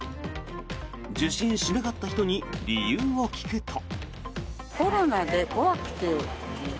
受診しなかった人に理由を聞くと。